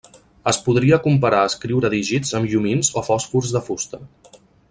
Es podria comparar a escriure dígits amb llumins o fòsfors de fusta.